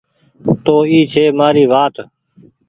تو اي ڇي مآري وآت